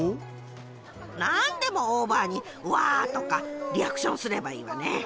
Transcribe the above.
なんでもオーバーに「うわー！」とかリアクションすればいいわね。